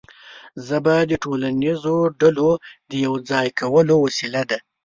ژبه د ټولنیزو ډلو د یو ځای کولو وسیله ده.